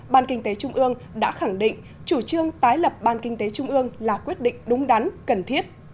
ban kinh tế trung ương đã khẳng định chủ trương tái lập ban kinh tế trung ương là quyết định đúng đắn cần thiết